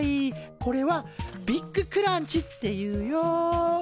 これはビッグクランチっていうよ。